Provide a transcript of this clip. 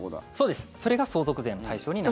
それが相続税の対象になって。